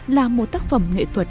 là một tác phẩm nghệ thuật